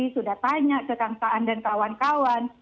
sudah tanya ke kang saan dan kawan kawan